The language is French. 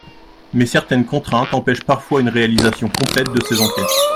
Mais certaines contraintes empêchent parfois une réalisation complète de ces enquêtes.